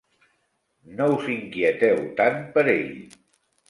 No us inquieteu tant per ell.